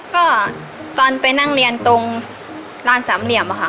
ก็ตอนไปนั่งเรียนตรงลานสามเหลี่ยมค่ะ